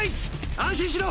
安心しろ。